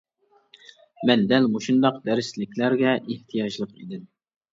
مەن دەل مۇشۇنداق دەرسلىكلەرگە ئېھتىياجلىق ئىدىم.